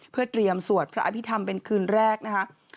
เพื่อเตรียมสวดพระอภิษฐรรมเป็นคืนแรกนะคะ